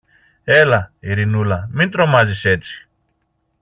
Έλα, Ειρηνούλα, μην τρομάζεις έτσι!